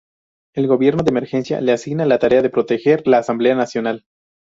El gobierno de emergencia le asigna la tarea de proteger la Asamblea Nacional.